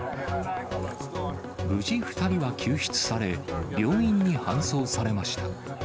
無事、２人は救出され、病院に搬送されました。